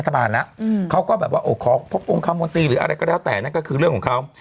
ว่าโอ้ขอพบองค์เขาบนตรีหรืออะไรก็แล้วแต่นั่นก็คือเรื่องของเขา